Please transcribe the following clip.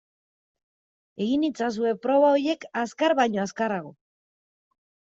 Egin itzazue proba horiek azkar baino azkarrago.